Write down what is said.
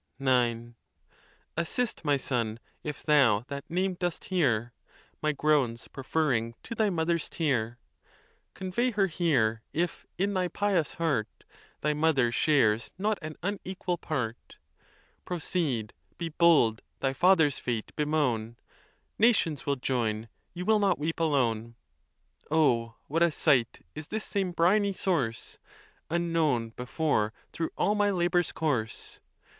IX. Assist, my son, if thou that name dost hear, My groans preferring to thy mother's tear: Convey her here, if, in thy pious heart, Thy mother shares not an unequal part: Proceed, be bold, thy father's fate bemoan, Nations will join, you will not weep alone. Oh, what a sight is this same briny source, Unknown before, through all my labors' course!